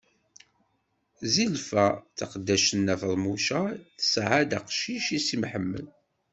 Zilfa, taqeddact n Nna Feḍmuca, tesɛa-as-d aqcic i Si Mḥemmed.